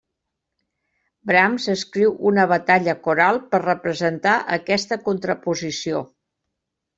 Brahms escriu una batalla coral per representar aquesta contraposició.